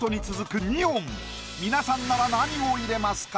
２音皆さんなら何を入れますか？